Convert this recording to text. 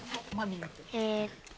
えっと。